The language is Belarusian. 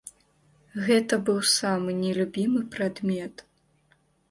Гэта быў самы нелюбімы прадмет.